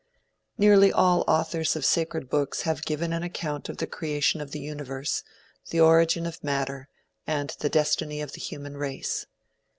Nearly all authors of sacred books have given an account of the creation of the universe, the origin of matter, and the destiny of the human race.